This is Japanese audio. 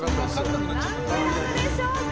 何グラムでしょうか。